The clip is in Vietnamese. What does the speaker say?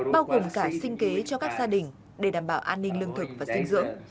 bao gồm cả sinh kế cho các gia đình để đảm bảo an ninh lương thực và sinh dưỡng